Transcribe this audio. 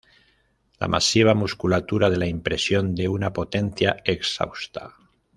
La masiva musculatura da la impresión de una potencia exhausta.